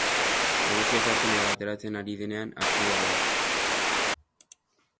Eguzkia sartzen edo ateratzen ari denean aktiboa da.